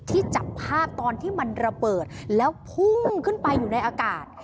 จับภาพตอนที่มันระเบิดแล้วพุ่งขึ้นไปอยู่ในอากาศ